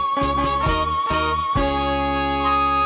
โชว์